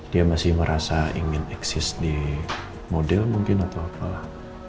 dia masih merasa ingin eksis di model mungkin atau apalah